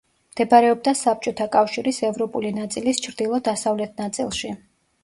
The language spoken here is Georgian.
მდებარეობდა საბჭოთა კავშირის ევროპული ნაწილის ჩრდილო-დასავლეთ ნაწილში.